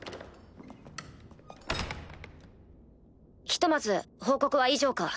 ひとまず報告は以上か？